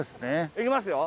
いきますよ。